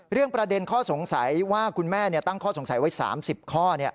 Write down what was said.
ประเด็นข้อสงสัยว่าคุณแม่ตั้งข้อสงสัยไว้๓๐ข้อ